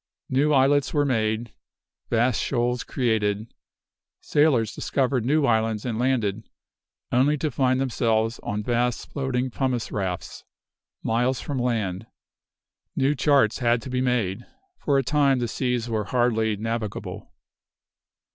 New islets were made; vast shoals created. Sailors discovered new islands and landed, only to find themselves on vast floating pumice rafts, miles from land. New charts had to be made. For a time the seas were hardly navigable.